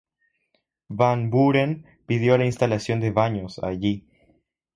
Van Buren pidió la instalación de baños allí.